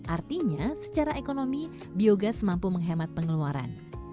artinya biogas secara ekonomi mampu menghemat pengeluaran